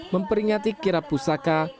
memperingati kira pusaka